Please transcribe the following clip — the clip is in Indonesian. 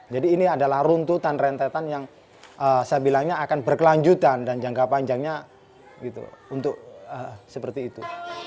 jadi ini adalah runtutan rentetan yang saya bilangnya akan berkelanjutan dan jangka panjangnya untuk seperti itu